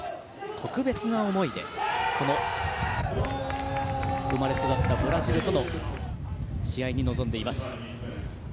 特別な思いで生まれ育ったブラジルとの試合に臨んでいます。